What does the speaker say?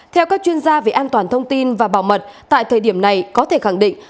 theo các chuyên gia về an toàn thông tin và bảo mật tại thời điểm này có thể khẳng định